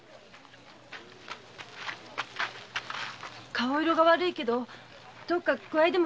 顔色が悪いけどどっか具合でも悪いの？